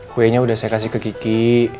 kuenya udah saya kasih ke kiki